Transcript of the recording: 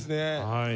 はい。